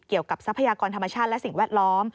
ทรัพยากรธรรมชาติและสิ่งแวดล้อม